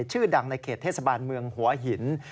ชื่อดังในเขตเทศบาลเมืองหัวหิน